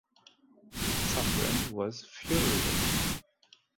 Suffren was furious.